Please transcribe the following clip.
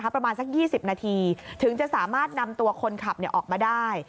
ประมาณสัก๒๐นาทีถึงจะสามารถนำตัวคนขับออกมาได้